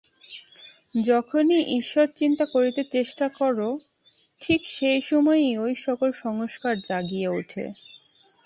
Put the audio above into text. যখনই ঈশ্বরচিন্তা করিতে চেষ্টা কর, ঠিক সেই সময়েই ঐ-সকল সংস্কার জাগিয়া উঠে।